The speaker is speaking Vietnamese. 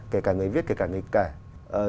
kể cả người viết kể cả người kể